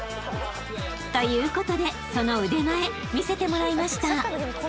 ［ということでその腕前見せてもらいました］